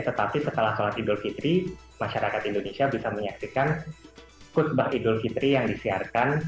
tetapi setelah sholat idul fitri masyarakat indonesia bisa menyaksikan khutbah idul fitri yang disiarkan